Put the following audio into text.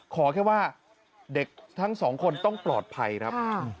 ขอแค่ว่าเด็กทั้งสองคนต้องปลอดภัยครับ